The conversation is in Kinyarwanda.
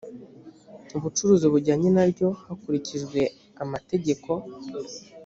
ubucuruzi bujyanye na ryo hakurikijwe amategeko.